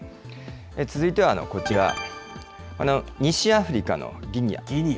続いてはこちら、西アフリカのギニア。